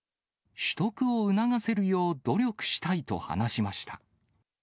取得を促せるよう努力したいと話しました。